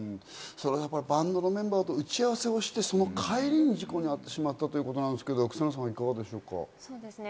バンドのメンバーと打ち合わせをしてその帰りに事故に遭ってしまったということなんですけれど、草野さん、いかがですか？